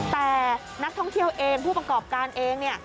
แต่นักท่องเที่ยวเองผู้ประกอบการเองเนี่ย